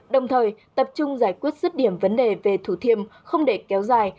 đồng thời tập trung giải quyết rứt điểm vấn đề về thủ thiêm không để kéo dài